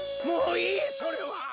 もういいそれは！